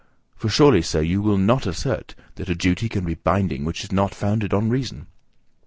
For surely, sir, you will not assert, that a duty can be binding which is not founded on reason?